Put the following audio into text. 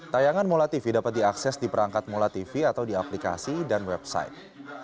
tayangan molatv dapat diakses di perangkat molatv atau di aplikasi dan website